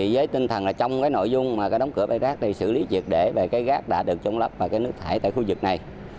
với tinh thần trong nội dung đóng cửa bãi rác này xử lý dược để về rác đã được trôn lấp và nước thải tại khu vực này